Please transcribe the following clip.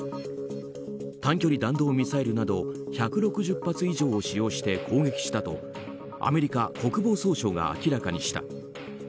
短距離弾道ミサイルなど１６０発以上を使用して攻撃したとアメリカ国防総省が明らかにした。